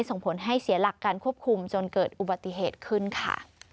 ส่งผลให้เสียหลักการควบคุมจนเกิดอุบัติเหตุขึ้นค่ะ